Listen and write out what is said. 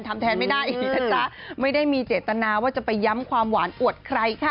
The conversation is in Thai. ทำแทนไม่ได้อีกนะจ๊ะไม่ได้มีเจตนาว่าจะไปย้ำความหวานอวดใครค่ะ